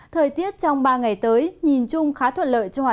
thời tiết trong ba ngày tới nhìn chung khá thuận lợi cho hỏa đất